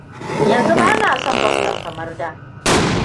Yanzu bana son Boston kamar da.